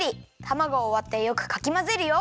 たまごをわってよくかきまぜるよ。